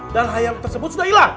dan ayam tersebut sudah hilang